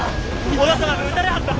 織田様が討たれはった！